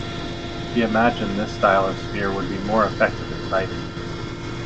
He imagined this style of spear would be more effective in fighting.